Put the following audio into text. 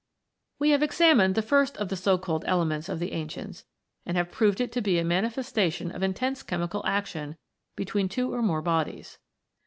We have examined the first of the so called ele ments of the ancients, and have proved it to be a manifestation of intense chemical action between two or more bodies.